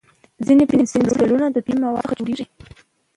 ځینې پنسلونه د طبیعي موادو څخه جوړېږي.